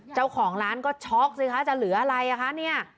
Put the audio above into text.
เจ้าของร้านก็ช็อกสิคะจะเหลืออะไรอ่ะคะเนี่ย